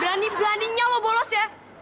berani beraninya lo bolos ya